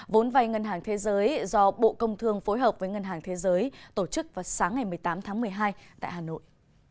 vốn vay ngân hàng thế giới do bộ công thương phối hợp với ngân hàng thế giới tổ chức vào sáng ngày một mươi tám tháng một mươi hai tại hà nội